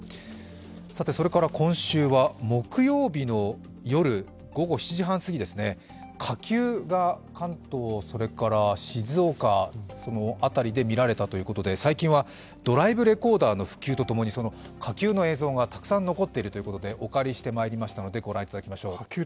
さて、今週は木曜日の夜、午後７時半すぎですね、火球が関東、それから静岡の辺りで見られたということで最近はドライブレコーダーの普及とともに火球の映像がたくさん残っているということでお借りしてまいりましたので、御覧いただきましょう。